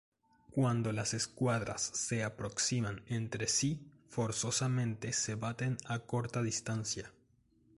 Cuando las escuadras se aproximan entre sí forzosamente se baten a corta distancia.